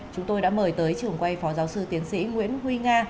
chúng tôi đã mời tới trường quay phó giáo sư tiến sĩ nguyễn huy nga